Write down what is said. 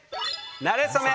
なれそめ！